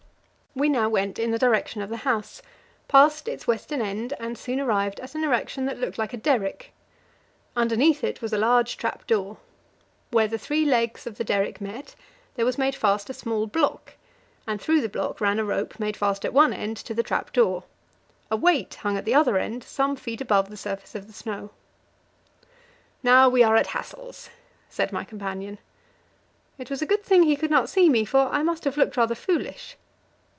We now went in the direction of the house, passed its western end, and soon arrived at an erection that looked like a derrick. Underneath it was a large trap door. Where the three legs of the derrick met, there was made fast a small block, and through the block ran a rope, made fast at one end to the trap door. A weight hung at the other end, some feet above the surface of the snow. "Now we are at Hassel's," said my companion. It was a good thing he could not see me, for I must have looked rather foolish.